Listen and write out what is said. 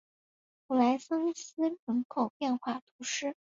普莱桑斯人口变化图示